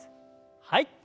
はい。